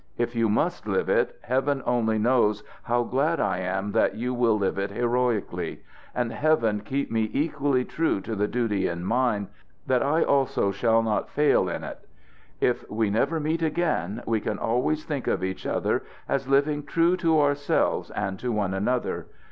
If you must live it, Heaven only knows how glad I am that you will live it heroically. And Heaven keep me equally true to the duty in mine, that I also shall not fail in it! If we never meet again, we can always think of each other as living true to ourselves and to one another.